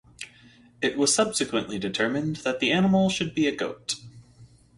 It was subsequently determined that the animal should be a goat.